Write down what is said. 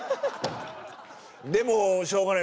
でもしょうがない。